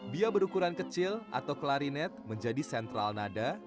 bia berukuran kecil atau klarinet menjadi sentral nada